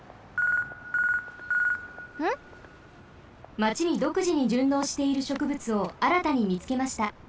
マチにどくじにじゅんのうしているしょくぶつをあらたにみつけました。